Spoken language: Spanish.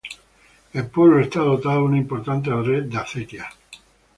El pueblo está dotado de una importante red de acequias.